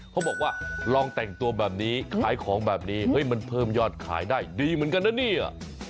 เขาบอกว่าลองแต่งตัวแบบนี้ขายของแบบนี้เฮ้ยมันเพิ่มยอดขายได้ดีเหมือนกันนะเนี่ย